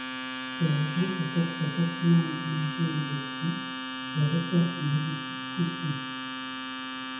Ces robots peuvent être facilement endommagés ou détruits, et requièrent une logistique poussée.